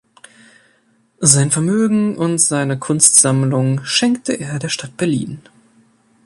Sein Vermögen und seine Kunstsammlung schenkte er der Stadt Berlin.